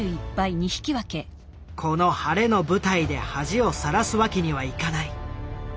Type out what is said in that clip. この晴れの舞台で恥をさらすわけにはいかない。